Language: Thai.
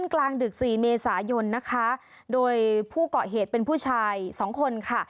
กลางดึกสี่เมษายนนะคะโดยผู้เกาะเหตุเป็นผู้ชายสองคนค่ะ